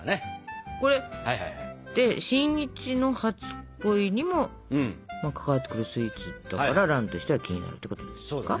これって新一の初恋にも関わってくるスイーツだから蘭としては気になるってことですか。